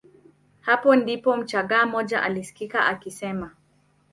Hapo ndipo mchagga mmoja alisikika akisema